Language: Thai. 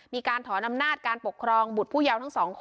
มีการถอนอำนาจการปกครองบุตรผู้เยาว์ทั้งสองคน